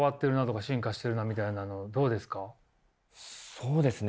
そうですね